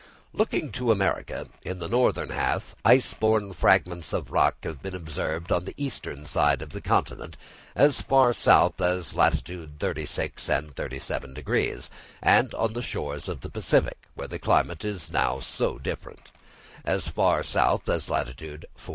Looking to America: in the northern half, ice borne fragments of rock have been observed on the eastern side of the continent, as far south as latitude 36° and 37°, and on the shores of the Pacific, where the climate is now so different, as far south as latitude 46°.